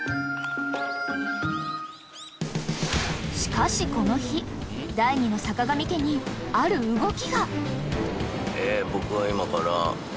［しかしこの日第２のさかがみ家にある動きが］